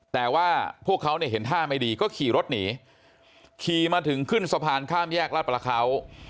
แต่ว่าพวกเขาเนี่ยเห็นท่าไม่ดีก็ขี่รถหนีขี่มาถึงขึ้นสะพานข้ามแยกรัฐประเขา